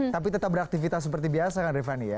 tapi tetap beraktivitas seperti biasa kan rifani ya